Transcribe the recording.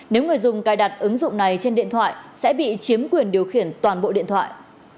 nếu người dùng cài đặt ứng dụng này trên điện thoại sẽ bị chiếm quyền điều khiển toàn bộ điện thoại